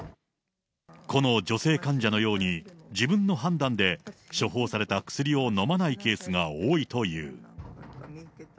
この女性患者のように、自分の判断で処方された薬を飲まないケースが多いという。